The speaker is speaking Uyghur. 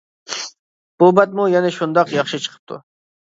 بۇ بەتمۇ يەنە شۇنداق ياخشى چىقىپتۇ.